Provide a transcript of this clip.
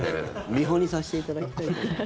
見本にさせていただきたい。